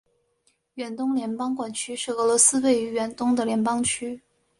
远东联邦管区是俄罗斯位于远东的联邦区。